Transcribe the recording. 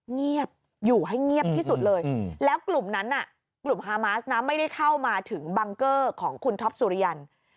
เงียบอยู่ให้เงียบที่สุดเลยแล้วกลุ่มนั้นน่ะกลุ่มฮามาสนะไม่ได้เข้ามาถึงบังเกอร์ของคุณท็อปสุริยัน